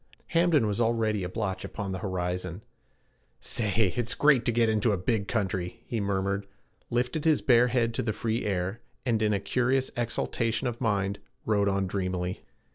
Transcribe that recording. Hamden was already a blotch upon the horizon. 'Say, it's great to get into a big country,' he murmured, lifted his bare head to the free air, and in a curious exaltation of mind rode on dreamily.